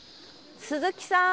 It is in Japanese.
鈴木さん！